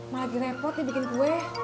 malah lagi repot nih bikin kue